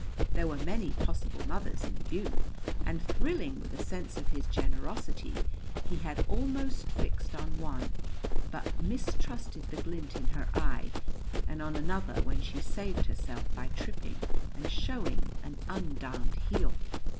There were many possible mothers in view, and thrilling with a sense of his generosity he had almost fixed on one but mistrusted the glint in her eye and on another when she saved herself by tripping and showing an undarned heel.